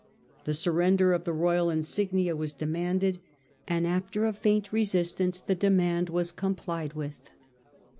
The surrender of the royal insignia was demanded, and after a faint resistance the demand was complied with.